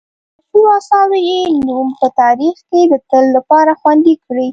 مشهورو اثارو یې نوم په تاریخ کې د تل لپاره خوندي کړی.